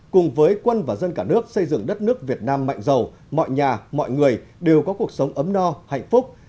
cùng với quân và dân cả nước xây dựng đất nước việt nam mạnh giàu mọi nhà mọi người đều có cuộc sống ấm no hạnh phúc